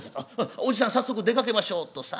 おじさん早速出かけましょう」とさあ